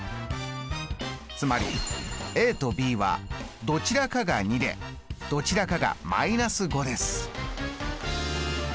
つまりとｂはどちらかが２でどちらかが−５です。